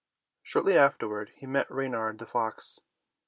Shortly afterward he met Reynard the fox.